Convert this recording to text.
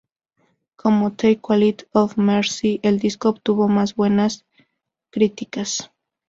Como "The Quality of Mercy", el disco obtuvo más buenas críticas.